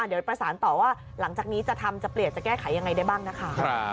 เดี๋ยวประสานต่อว่าหลังจากนี้จะทำจะเปลี่ยนจะแก้ไขยังไงได้บ้างนะคะ